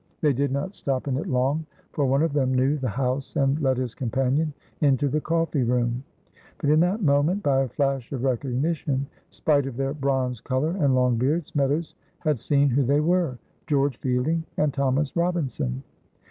They did not stop in it long, for one of them knew the house and led his companion into the coffee room. But in that moment, by a flash of recognition, spite of their bronzed color and long beards, Meadows had seen who they were George Fielding and Thomas Robinson.